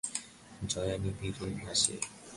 জয়া নীরবে হাসে।